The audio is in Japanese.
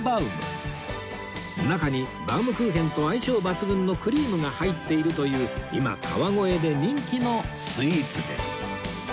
中にバウムクーヘンと相性抜群のクリームが入っているという今川越で人気のスイーツです